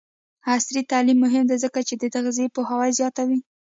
عصري تعلیم مهم دی ځکه چې د تغذیه پوهاوی زیاتوي.